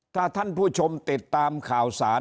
ถ้าท่านผู้ชมติดตามข่าวสาร